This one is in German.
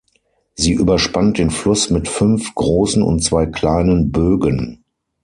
Sie überspannt den Fluss mit fünf großen und zwei kleinen Bögen.